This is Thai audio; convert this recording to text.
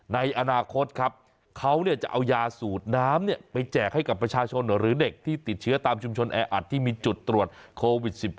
ในอนาคตครับเขาจะเอายาสูดน้ำไปแจกให้กับประชาชนหรือเด็กที่ติดเชื้อตามชุมชนแออัดที่มีจุดตรวจโควิด๑๙